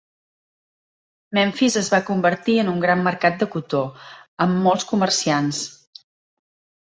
Memphis es va convertir en un gran mercat de cotó, amb molts comerciants.